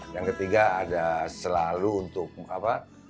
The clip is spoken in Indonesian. yang ketiga ada selalu untuk tuhan tolonglah